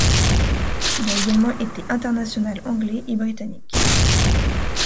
Il a également été international anglais et britannique.